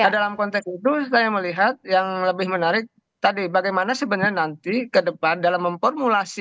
dalam konteks itu saya melihat yang lebih menarik tadi bagaimana sebenarnya nanti ke depan dalam memformulasi